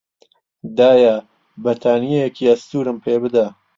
دایە، بەتانیێکی ئەستوورم پێ بدە.